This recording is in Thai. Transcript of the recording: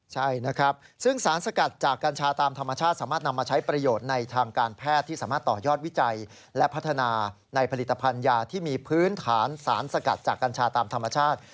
ใช่นะครับซึ่งสารสกัดจากกัญชาตามธรรมชาติสามารถนำมาใช้ประโยชน์ในทางการแพทย์ที่สามารถต่อยอดวิจัยและพัฒนาในผลิตภัณฑ์ยาที่มีพื้นฐานสารสกัดจากกัญชาตามธรรมชาติ